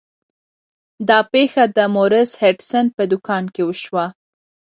دا پیښه د مورس هډسن په دکان کې وشوه.